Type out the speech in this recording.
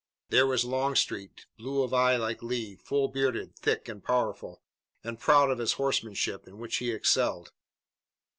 There was Longstreet, blue of eye like Lee, full bearded, thick and powerful, and proud of his horsemanship, in which he excelled.